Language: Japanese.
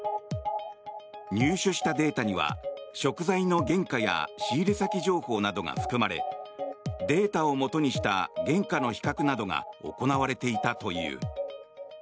入手したデータには食材の原価や仕入れ先情報などが含まれデータをもとにした原価の比較などが行われていたという。